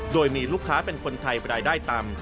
โดยมีลูกค้าเป็นคนไทยรายได้ต่ำ